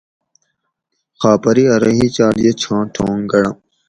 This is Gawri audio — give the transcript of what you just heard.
خاپری ارو ہِچھاٹ یہ چھاں ٹھونگ گڑۤم